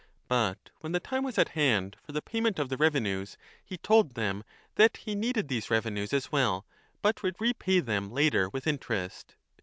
But when the time was at hand for the payment of the revenues, he told them that he needed these revenues as 10 well, but would repay them later with interest.